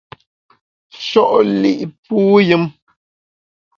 Sho’ li’ puyùm !